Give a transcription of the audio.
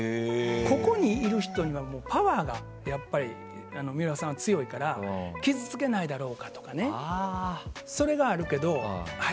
ここにいる人には、パワーが水卜さんは強いから傷つけないだろうか？とかがあるけどあれ？